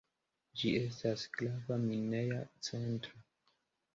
Ĝi estas grava mineja centro.